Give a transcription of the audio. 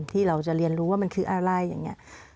ที่เราจะเรียนรู้ว่ามันคืออะไรอย่างนี้